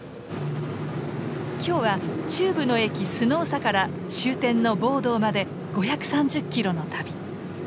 今日は中部の駅スノーサから終点のボードーまで５３０キロの旅。